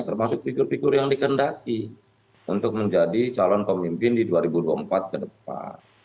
termasuk figur figur yang dikendaki untuk menjadi calon pemimpin di dua ribu dua puluh empat ke depan